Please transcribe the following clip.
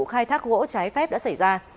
khai thác gỗ trái phép đã xảy ra